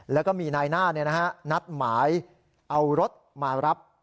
แล้วก็มีนายหน้านี่นะครับนัดหมายเอารถมารับ